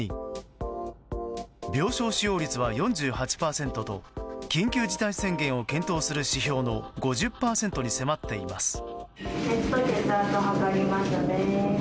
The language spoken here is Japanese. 病床使用率は４８％と緊急事態宣言を検討する指標の５０％に迫っています。